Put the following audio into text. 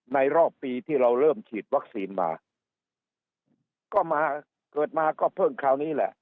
รอบปีที่เราเริ่มฉีดวัคซีนมาก็มาเกิดมาก็เพิ่งคราวนี้แหละ